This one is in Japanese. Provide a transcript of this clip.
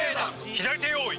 左手用意！